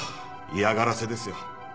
嫌がらせですよ。